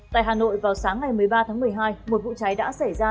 tại hà nội vào sáng ngày một mươi ba tháng một mươi hai một vụ cháy đã xảy ra